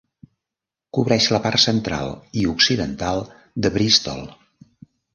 Cobreix la part central i occidental de Bristol.